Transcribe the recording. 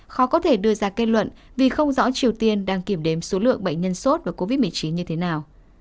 khó có thể đưa ra kết luận vì không rõ triều tiên đang kiểm đếm số lượng bệnh nhân sốt và covid một mươi chín như thế nào